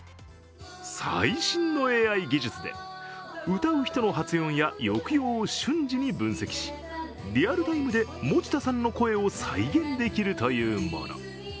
最新のＡＩ技術で、歌う人の発音や抑揚を瞬時に分析しリアルタイムで持田さんの声を再現できるというもの。